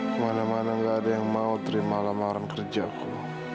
kemana mana ngga ada yang mau terima lamaran kerja ku